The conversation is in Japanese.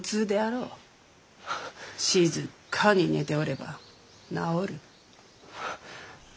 静かに寝ておれば治る。